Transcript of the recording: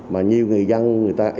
mà nhiều người dân người ta ý tưởng là